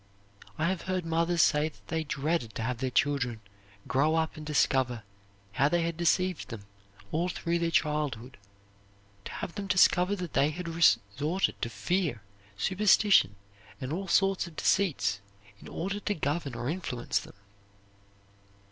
I have heard mothers say that they dreaded to have their children grow up and discover how they had deceived them all through their childhood; to have them discover that they had resorted to fear, superstition, and all sorts of deceits in order to govern or influence them.